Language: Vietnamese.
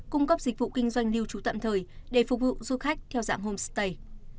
cung cấp dịch vụ kinh doanh lưu trú tạm thời để phục vụ du khách theo dạng homestay